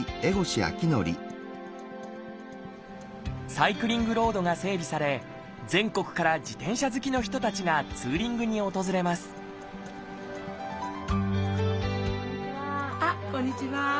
サイクリングロードが整備され全国から自転車好きの人たちがツーリングに訪れますあっこんにちは。